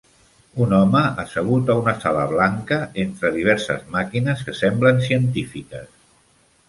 Un home assegut a una sala blanca entre diverses màquines que semblen científiques.